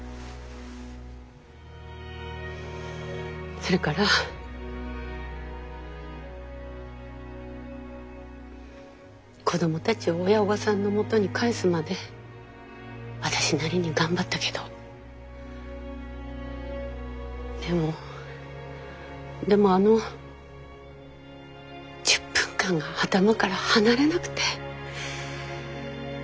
それから子供たちを親御さんのもとに帰すまで私なりに頑張ったけどでもでもあの１０分間が頭から離れなくて。